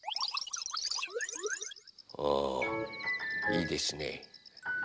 おいいですね。